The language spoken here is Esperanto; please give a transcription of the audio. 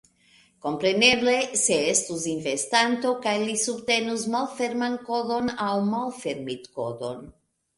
Kompreneble, se estus investanto kaj li subtenus malferman kodon aŭ malfermitkodon